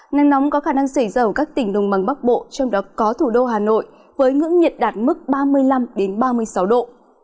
nắng nóng có khả năng xảy ra ở các tỉnh đồng bằng bắc bộ trong đó có thủ đô hà nội với ngưỡng nhiệt đạt mức ba mươi năm ba mươi sáu độ